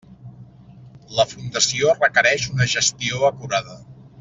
La fundació requereix una gestió acurada.